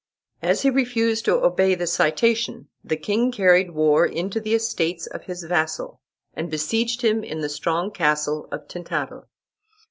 As he refused to obey the citation, the king carried war into the estates of his vassal and besieged him in the strong castle of Tintadel.